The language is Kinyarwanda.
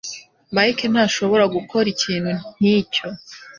Mike ntashobora gukora ikintu nkicyo.